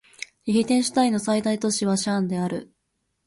リヒテンシュタインの最大都市はシャーンである